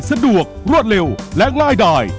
สะดวกรวดเร็วและง่ายดาย